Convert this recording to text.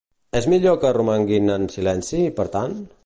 És millor que romanguin en silenci, per tant?